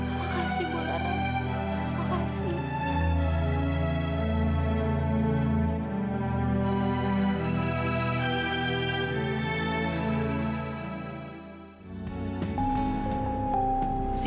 makasih bu laras makasih